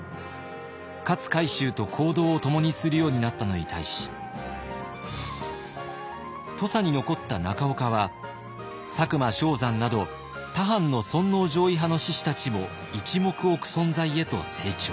勝海舟と行動を共にするようになったのに対し土佐に残った中岡は佐久間象山など他藩の尊皇攘夷派の志士たちも一目置く存在へと成長。